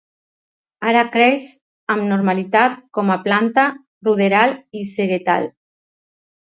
Ara creix amb normalitat com a planta ruderal i segetal.